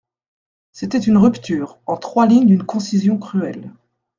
C'était une rupture, en trois lignes d'une concision cruelle.